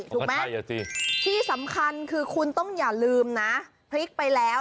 ถูกไหมที่สำคัญคือคุณต้องอย่าลืมนะพลิกไปแล้ว